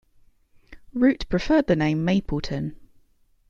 Root preferred the name "Mapleton".